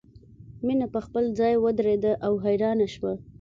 مینه په خپل ځای ودریده او حیرانه شوه